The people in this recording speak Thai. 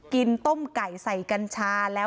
กินต้มไก่ใส่กันชา